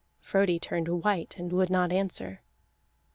Frodi turned white and would not answer.